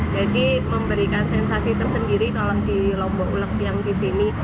jadi memberikan sensasi tersendiri kalau di lombok ulek yang disini